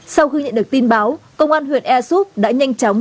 sau khi nhận được tin báo công an huyện ea súp đã nhanh chóng